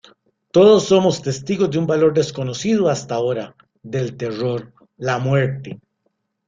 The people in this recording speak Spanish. Todos somos testigos de un valor desconocido hasta ahora; del terror, la muerte.